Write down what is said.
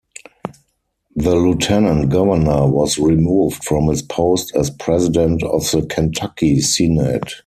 The lieutenant governor was removed from his post as president of the Kentucky Senate.